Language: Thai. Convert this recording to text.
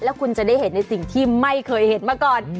แล้วคุณจะได้เห็นในสิ่งที่ไม่เคยเห็นมาก่อน